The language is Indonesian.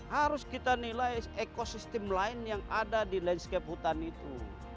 harus kita nilai ekosistem lain yang ada di landscape hutan itu